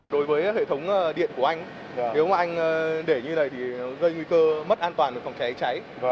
đối với hệ thống điện của anh nếu mà anh để như này thì gây nguy cơ mất an toàn về phòng cháy cháy